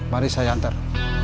mari saya antar